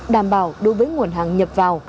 đảm bảo đối với nguồn hàng nhập vào